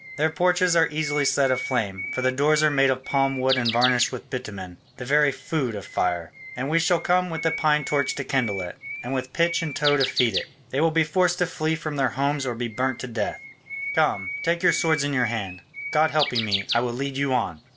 Their porches are easily set aflame, for the doors are made of palm wood and varnished with bitumen, the very food of fire. And we shall come with the pine torch to kindle it, and with pitch and tow to feed it. They will be forced to flee from their homes or be burnt to death. Come, take your swords in your hand: God helping me, I will lead you on.